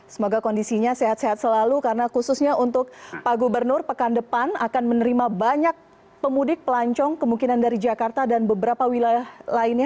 semoga kondisinya sehat sehat selalu karena khususnya untuk pak gubernur pekan depan akan menerima banyak pemudik pelancong kemungkinan dari jakarta dan beberapa wilayah lainnya